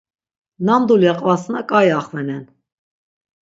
Nam dulya qvasna k̆ai axvenen.